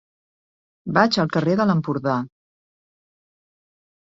Vaig al carrer de l'Empordà.